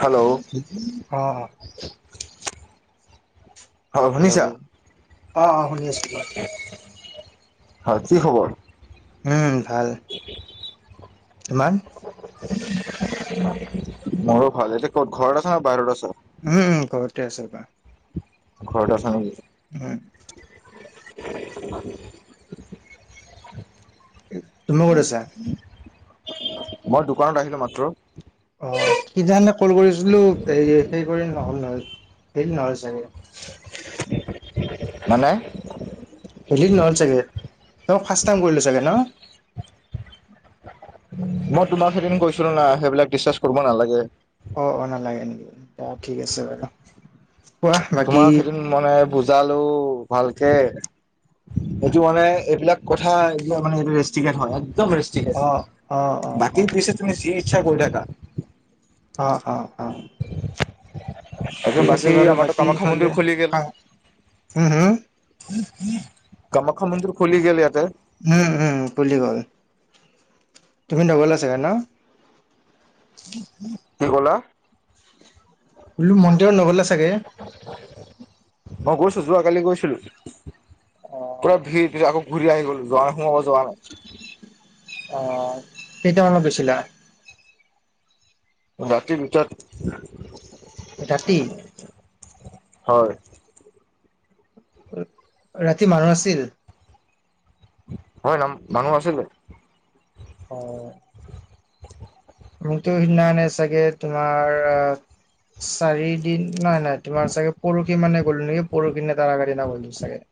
Hello অ হয় শুনিছা হেল্ল' অ অ শুনি আছো কোৱা হয় কি খবৰ? উম ভাল তোমাৰ মোৰো ভাল এতিয়া ক'ত ঘৰত আছ না বাহিৰত আছ? উম ঘৰতে আছে বা ঘৰতে আছা নেকি? উম তুমি ক'ত আছা [unintelligible] মই দোকানত আহিলো মাত্ৰ অ [unintelligible] কল কৰিছিলো এই সেই কৰি নহল নহয় হেৰি নহয় চাগে মানে [unintelligible] নহ'ল চাগৈ [unintelligible] ফাৰ্ষ্ট টাইম কৰিলোঁ চাগৈ ন মই তোমাক সেইদিন কৈছিলো না সেইবিলাক ডিচকাছ কৰিব নালাগে। অ অ নালাগে নেকি অ ঠিক আছে বাৰু। কোৱা বাকী তোমাক সেইদিন মানে বুজালো ভালকে এইটো মানে এইবিলাক কথা এইবিলাক মানে এইটো ৰেষ্টিকেট হয় একদম [unintelligible] ঠিক আছে অ অ অ অ বাকী পিছে তুমি যি ইচ্ছা কৰি থাকা। অ অ অ এতিয়া ঠিক আছে বাকী বাৰু। - [unintelligible] আমাৰতো কামাখ্যা মন্দিৰ [unintelligible] খুলি গ'ল উম হুম কামাখ্যা মন্দিৰ খোলি গেলে ইয়াতে উম উম পুলি গ'ল তুমি নগলা চাগে ন কি ক'লা বলো মন্দিৰত নগলা চাগে মই গৈছো যোৱা কালি গৈছিলো অ পুৰা ভিৰ কিন্ত আকৌ ঘূৰি আহি গল যোৱাই সোমাব যোৱা নাই অ কেইতামানত গৈছিলা ৰাতি দুটাত ৰাতি হয় ৰাতি মানুহ নাছিল হয় নাম মানুহ আছিলে অ [unintelligible] সিদিনাখানে চাগে তোমাৰ চাৰি নাই নাই তোমাৰ চাগে পৰ [unintelligible] মানে গ'ল নেকি পৰহি নে তাৰ আগৰ দিনা গ'লো চাগে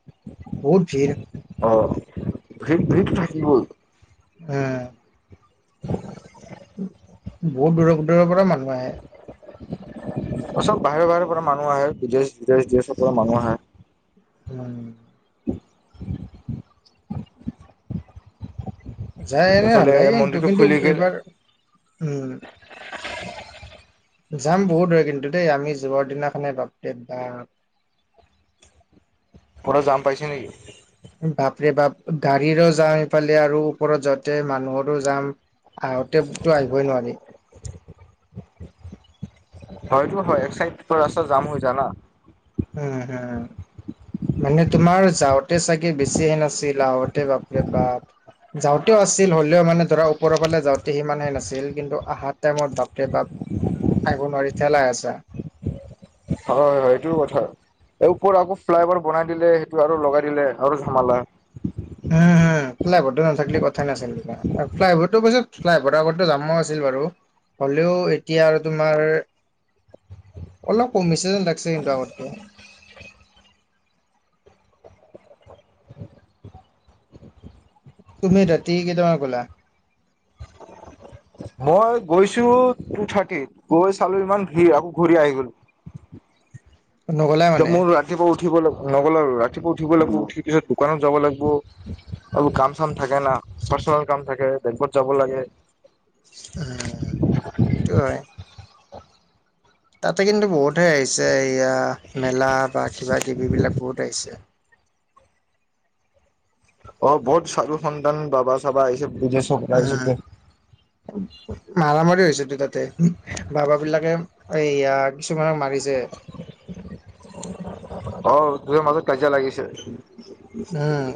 বহুত ভিৰ অ ভি-ভি- ভিৰ থাকিবই উম বহুত দূৰৰ দূৰৰ পৰা মানুহ আহে চব বাহিৰৰ বাহিৰৰ পৰা মানুহ আহে বিদেশ বিদেশ বিদেশৰ পৰা মানুহ আহে। উম যায় এনে ভাল এইফালে লাগে মন্দিৰটো কিন্তু খুলি গ'ল এইবাৰ উম যাম বহুত হৈ কিন্তু দেই আমি যোৱাৰ দিনাখনে বাপৰে বা [unintelligible] যাম পাইছে নেকি বাপ ৰে বাপ গাড়ীৰে যাম ইফালে আৰু ওপৰত যাওঁতে মানুহৰো যাম। আহোঁতেতো আহিবই নোৱাৰি। হয়টো হয় এক চাইড পুৰা ৰাস্তা যাম হৈ যানা। উম হুম মানে তোমাৰ যাওঁতে চাগে বেছিহে নাছিল আহতে বাপৰে বাপ যাওঁতেও আছিল হলেও মানে ধৰা ওপৰৰ ফালে যাওঁতে সি মমানহে নাছিল কিন্তু অহা টাইমত বাপৰে বাপ আহিব নোৱাৰি ঠেলা-হেচা। হয়, হয় এইটোও কথা। এই ওপৰত আকৌ ফ্লাই অভাৰ বনাই দিলে সেইটো আৰু লগাই দিলে আৰু জমালা। [inaudible] ফ্লাইভাৰটো নাথাকিলে কথা নাছিলা ৰবা ফ্লাইভাৰৰ পিছত ফ্লাইভাৰৰ আগত জামো আছিল বাৰু। হ'লেও এতিয়া আৰু তোমাৰ। [inaudible] অলপ কমিছে যেন লাগছে কিন্তু আগতকে। তুমি ৰাতি কেইটামানা গলা। মই গৈছো টু থাৰ্টিত গৈ চালো ইমান ভিৰ আকৌ ঘূৰি আহি গলো। নগ'লা মানে মোৰ ৰাতিপুৱা উঠিব নগ ৰাতিপুৱা উঠিব লাগিব ঠিক পিছত দোকানত যাব লাগিব। এইবোৰ কাম চাম থাকে ন পাৰ্চন কাম থাকে দেপত যাব লাগে। উম, সটোটো হয়। তাতে কিন্তু বহুতহে আহিছে এয়া মেলা বা কিবা কিবিিবিলাক বহুত আহিছে। অ', বহুত চাধু সন্তান বাবা চাবা এই চব বুজি। উম', মাৰামাৰ হৈছেতো তাতে বাব বিলাকে। এইয়া কিছুমানক মাৰিছে। অ', তহে মাজত কাজিয়া লাগিছে। উম,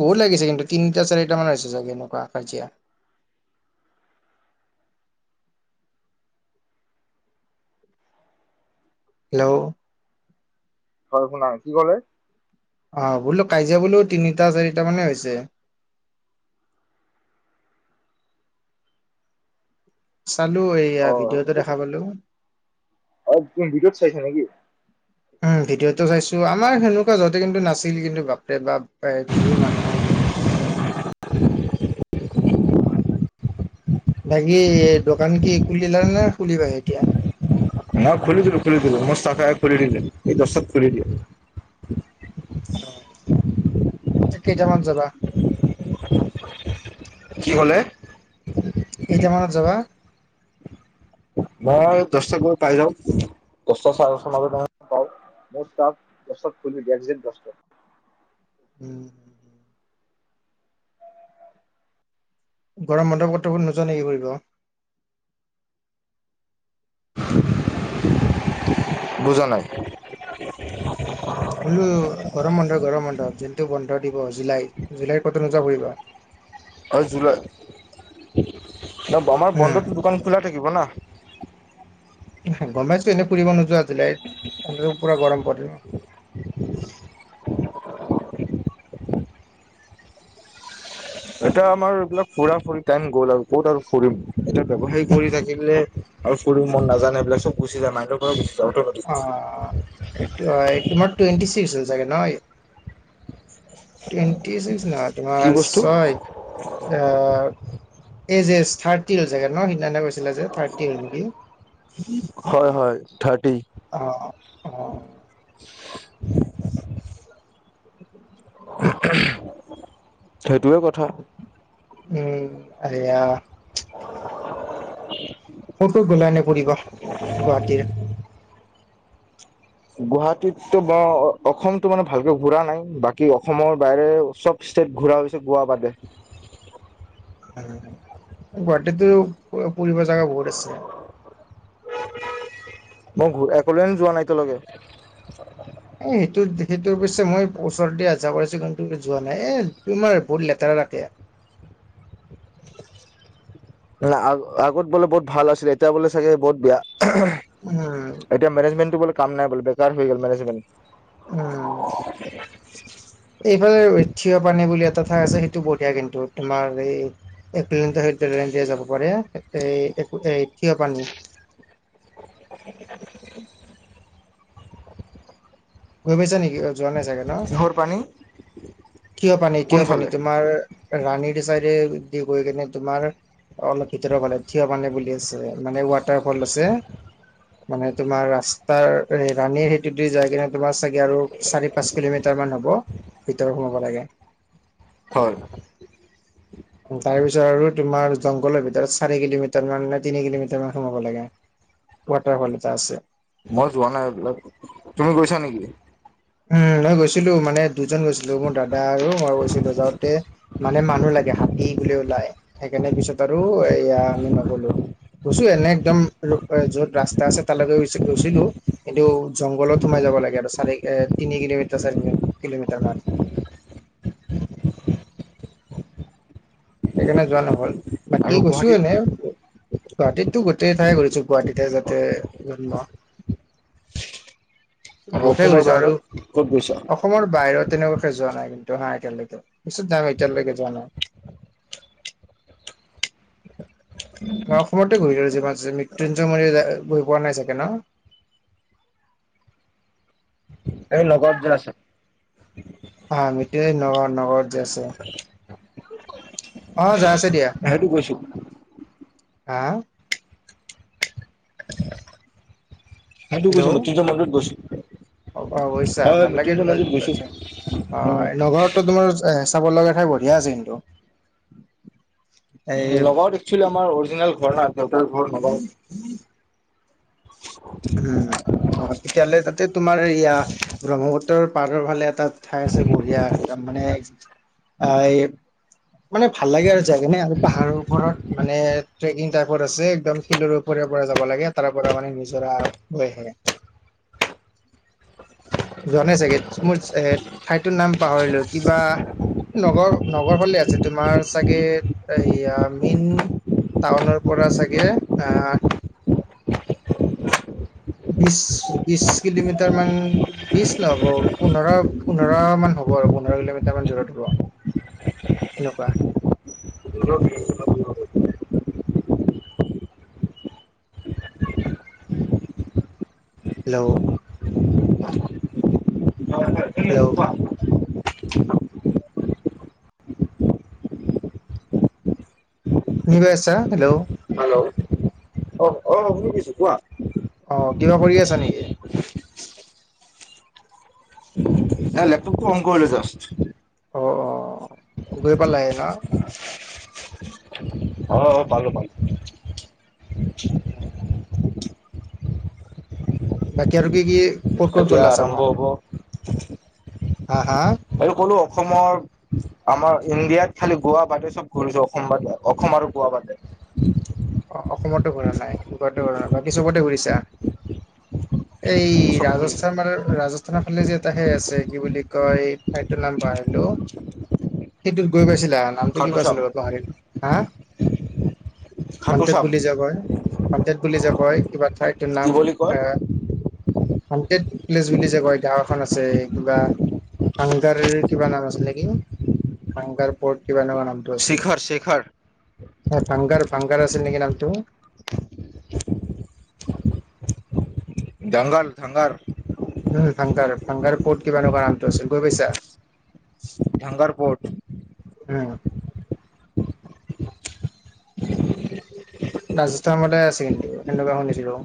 বহুত লাগিছে কিন্তু তিনিটা, চাৰিটা মান হৈছে চাগে এনেকুৱা কাজিয়া। হেল্ল'। হয়, শুনাম কি ক'লে। অ', বোলো কাজিয়া বোলো তিনিটা চাৰিটা মানে হৈছে। চালো এইয়া অ ভিডিঅ'টো সেনেকে দেখা পালো। অ', তুমি ভিতৰত চাইছা নেকি? উম, ভিডিঅ'তটো চাইছো আমাৰ সেনেকুৱা যতে কিন্তু নাছিল কিন্তু বাপে বা ভিৰ মানুহত। হয় [unintelligible] বাকী দোকান কি খুলিলা নে খুলিবা এতিয়া? না খুলিলো খুলি দিলো মোৰ চখে খুলি দিলে এই দশত খুলি দিলে। অ', কেইটামান যাবা। কি কলে? কেইটামানত যাবা। মই দশটা গৈ পাই যাওঁ দশটা চাৰেটা মাজ ম পাওঁ। মোৰ তাত গছত খুলি দত উম। গৰম বন্ধ পত্ৰবোৰ নোৱা নে কি কৰিব। বুজানাই? বোলো গৰম বন্ধ গৰম বন্ধ যোনটো বন্ধ দিব জুলাই জুলাইৰ ক'তো নোযোৱা পৰিুবা। হয় জুলাই ন আমাৰ বন্ধত দোকান খোলা থাকিব না। গমাইতো এনেই ফুৰিব নোযোৱাছিলে এনে পুৰা গৰম পল। এটা আমাৰ এইবিলাক ফুৰা ফুৰি টাইম গ'ল আৰু ক'ত আৰু ফুৰিম। এতিয়া ব্যয়ৱসায় কৰি থাকিলে আৰু কৰি মন নাজান এইবিলাক চব গুচি যায় মাইৰ কৰা অৰ্থ। অ'। এই তমাৰ টুৱেণ্টি চিক্স হৈছে কি ন। টুৱেণ্টি ছিক্স ন কি তোমাৰ বস্তু ছয় অ', এজ এছ থাৰ্টি চাগে ন সিদিনা। থাৰটি নেকি হয় হয় থাৰ্টি অ'। অ উ সেইটোৱে কথা। উম এইয়া। [unintelligible] ক'ত'ত গলাই নে ফুৰিব গুৱাহাটীৰ গুৱাহাটীততো ম অসমতো মানে ভালকে ঘুৰা নাই বাকী অসমৰ বাহৰে চব ষ্টেট ঘূৰাি হৈছে গোৱা বাদে গুৱাহাটীো ফুৰিব জাগা বহুত আছে মই ঘ একলেে যোৱা নাই তেওঁলৈগে এ সেইটোত সেইটোৰ পিছে মই ওচৰ দি আহ যাহা কৰিছো কিন্তুম যোৱা নাই এ তোমাৰ বহুত লেতেৰা লাকে নাই আ আগত বোলে বহুত ভাল আছিলে এতিয়া বোলে চাগে বহুত বেয়া উম এতিয়ােজেণ্টটো বো কামাই বে হৈ গ' মেনেজমেট উম [unintelligible] এইফালে থিয় পানী বুলি এটা ঠাই আছে সেইটো বঢ়িয়া কিন্তু তোমাৰ এই এক কিলোমিটাৰ হ ডৰ দিয়ে যাব পাৰে এ থিয় পানী [unintelligible] গৈ পাইছা নেকি অ যোৱা নাই চাগে ন কিহৰ পানী কিয় পানী কিয় পানী কোনফালে তোমাৰ ৰাণীৰ চাইডে দি গৈ কিনে তোমাৰ অলপ ভিতৰ ফালে থিয় মানে বুলি আ মানে ৱাটাৰ ফল আছে মানে তোমাৰ ৰা তাৰ ৰাণীৰ সেইটো দু যায় কিনে তোমাৰ চাগে আৰু চাৰি পাঁচ কিলোমিটাৰ মান হ'ব ভিতৰত সোমাব লাগে হয় তাৰ পিছত আৰু তোমাৰ জংঘলৰ ভিতৰত চাৰি কিলোমিটাৰ মান নে তিনি কিলোমিটাৰ মান সোমাব লাগে ৱাটাৰফল এটা আছে মই যোৱা নাই এইবিলাক তুমি গৈছা নেকি উম মই গৈছিলো মানে দুজন গৈছিলো মোৰ দাদা আৰু মই গৈছিলো যাওঁতে মানে মানুহ লাগে হাত দি বুলি ওলাই সেইকাৰণে পিছত আৰু এয়া আমি নগলো গৈছো এনে একদম য'ত ৰাস্তা আছে তালৈকে গৈ গৈছিলো কিন্তু জংঘলত সোমাই যাব লাগে আৰু চাৰি তিনি কিলোমিটাৰ চাৰি কিলোমিটাৰ মান সেইকাৰণে যোৱা নহল আৰু বাকী গৈছো গুৱাহাটীত এনেই গুৱাহাটীতো গোটেই ঠাই কৰিছো গুৱাহাটীতে যাতে জন্ম আৰু বহুতে অসমৰ ঘূৰিছো আৰু বাহিৰত ক'ত গৈছ আৰু অসমৰ বাহিৰত তেনেকুৱাকে যোৱা নাই কিন্তু হা এয়ালৈকে কিছু দাম এতিয়ালৈকে যোৱা নাই [unintelligible] অসমতে গৈ লো যিমান মৃত্যুঞ্য়ম গৈ পোৱা নাই চাগে ন এই নগ যে আছে অ আমিিতয়ে নগ নগৰত য আছো অ যাই আছে দিয়া হেইটো কৈছো হা হ ত হেল্ল' গৈছো মই তুজ মনত গৈছো অ অ বৈছা হয় হয় ভাল লাগে মৃত্যুঞ্জয় মন্দিৰত গৈছো। অ উম নগৰতো তোমাৰ চাব লগা ঠাই বঢ়িয়া আছে কিন্তু এই নগাত একচুৱেলি আমাৰ অৰিজিনেল ঘৰ নাই দেউতাৰ ঘৰ নগাওত উম অ তেতিয়াহ'লে তাতে তোমাৰ ইয়া ব্ৰহ্মপুত্ৰৰ পাৰৰ ফালে এাত ঠাই আছে বঢ়িয়া একদম মানে এই মানে ভাল লাগে আৰু য কিনে আৰু পাহাৰৰ ওপৰত মানে ট্ৰেিং টাইৰ আছে একদম শিলৰওপৰ পৰা যাব লাগে তাৰ পৰা মানে জৰাহে [unintelligible] যোৱাানাই চাগে মোৰ এ ঠাইতৰ নাম পাহৰিলো কিবা নগৰ নগৰ হলে আছে তোমাৰ চাগে এয়া মেইন টাউনৰ পৰা আ চাগে অ বিশ বিশ কিলোমিটাৰ মান বি নহ'ব পোন্ধৰ পোন্ধৰ মান হ'ব আৰু পোন্ধৰ কিলোমিটাৰ মান দূৰত হ'ব এনেকুৱা ন হেল্ল' হেল্ল' নিবছা হেল্ল' হেল্ল' অ অ শুনি দিিছো কোৱা অ কিবা কৰি আছা নেকি এ ল প কম কলো জ অ অ গৈ প লাগ ন অ অ পালো ভালো অ বাকী আৰু আৰু কি কি ক'ত ক'ত এতিয়া গ'লা চাব আৰম্ভ হ'ব হা হা আৰু কলো অসমৰ আমাৰ ইণ্ডিয়াত খালি গোৱা বাটে চব ঘূৰিছো অসমব অসম আৰু গোৱা বাটে অ অসমতো ঘুৰা নাই গোৱাো ঘুৰা নাই বাকী চবতে ঘূৰিছা এই চব ঘূৰিছো। ৰাজস্থান মান ৰাজস্থানৰ ফালে যে এটা সে আছে কি বুলি ক এই ফাইভ ৰ নাম প আহিলো সেইটোত গৈ পাইছিলা নামটো খাটু কিিব শ্যাম আছিলে হাৰ হা সন্তেত খাটুচাম বুলি য কয় সন্তেত বুলি য কয় কিবা ঠাইতৰ কি নাম বুলি কয় এ হণ্টেড প্লেচ বুলি যে কয় গাঁও এখন আছে কিবা হংকাৰ কিবা নাম আছিল নে কি হাং প কিবা এনেকুৱা নাম শিখৰ শিখৰ ফাং ফাংকাৰ আছিল নেকি নাম ত দংগল ধংগল উ ভাং ভাং ক'ত কিবা এনেকুৱা নামটো আছিল গৈ পাইছা ধংগাৰপোট উম ৰাজস্থ মতে আছে কিন্তু সেনেকুৱা শুনিছিলো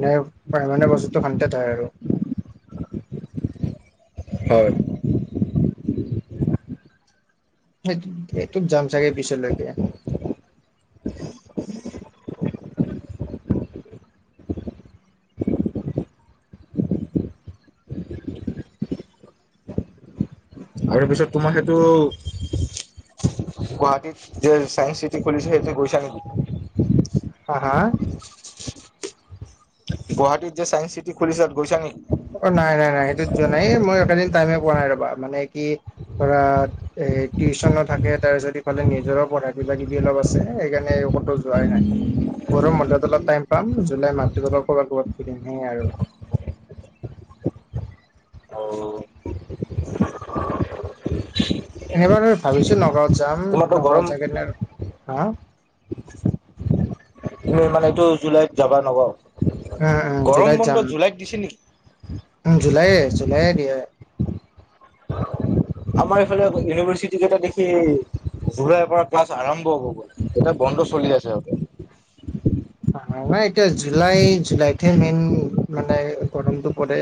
মানোয় মানে বস্তুটো শান্তে ঠাই আৰু হয় সেইটো এইটোত যাম চাগে পিছলৈকে হয় আৰু তাৰ পিছত তোমাৰ সেইটো গুৱাহাটীত যে চাইন্স চিটি খুলিছেে যে গৈশানী অ হা গুৱাহাটীত যে চাইেস চিটি খুলিছোত গৈছা নেি অ নাই নাই নাই সেইটো যোৱা নাই মই একেদিন টাইমে পোৱা নাই ৰবা মানে কি ধৰা এ টিউশচনো থাকে তাৰ পিছত ইফালে নিজৰ পঢ়া বিিলাক যদি অলপ আছে সেইকাৰণে একতো যোৱাই নাই ঘৰৰ মন্দত অলপ টাইম পাম জুলাই মাতটো তলৰ ক'বাত ক'ৰবাত ফুৰিম হে আৰু অ এনেবাৰ ভাবিছো নগাঁৱত যাম তোমাৰতো গৰম নগাঁৱত জ ন হা তুম মানে এইটো জুলাইত যাবা নগাওঁ উম উম গৰম জুলাইত যাম বন্ধত জুলাইত দিছে নেকি উম জুলাইে জুলাইে দিয় আমাৰ এইফালে ইউনিভাৰ্চিটি কেইটা দেখি জুলাইৰ পৰা ক্লাছ আৰম্ভ হ গ'ল এতিয়া বন্ধ চলি আছে সিহঁতে ন এতিয়া জুলাই জুলাইতে মেইন মানে গৰমতটো পৰে